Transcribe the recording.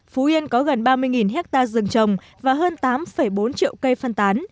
phú yên có gần ba mươi hectare rừng trồng và hơn tám bốn triệu cây phân tán